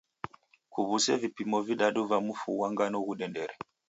Kuw'use vipimo vidadu va mfu ghwa ngano ghudendere.